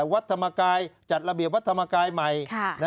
วัดธรรมกายจัดระเบียบวัดธรรมกายใหม่